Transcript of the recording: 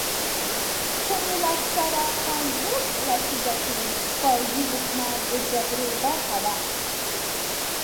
په نولس سوه پنځوس لسیزه کې پوځي حکومت د جګړې برخه وه.